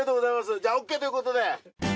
じゃあオッケーということで。